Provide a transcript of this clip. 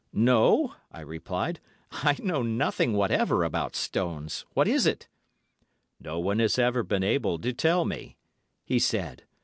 "No," I replied. "I know nothing whatever about stones. What is it?" "No one has ever been able to tell me," he said.